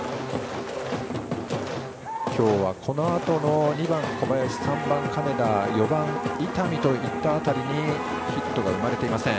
今日はこのあとの２番の小林、３番の金田４番、伊丹といった辺りにヒットは生まれていません。